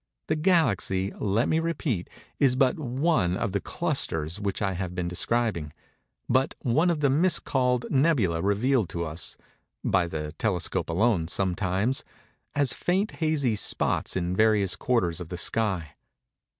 The Galaxy, let me repeat, is but one of the clusters which I have been describing—but one of the mis called "nebulæ" revealed to us—by the telescope alone, sometimes—as faint hazy spots in various quarters of the sky.